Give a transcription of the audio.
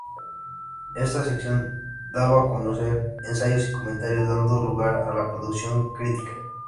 Esta sección daba a conocer ensayos y comentarios, dando lugar a la producción crítica.